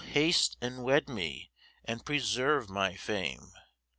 haste and wed me, and preserve my fame.